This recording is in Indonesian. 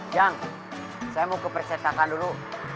jang saya mau ke percetakan dulu